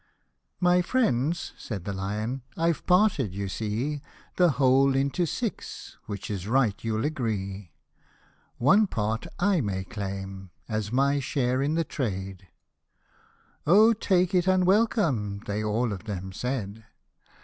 "*My friends," said the Lion, " Pve parted, you see, The whole into six, which is right, you'll agree ; One part I may claim, as my share in the trade;" " O take it and welcome," they all of them said.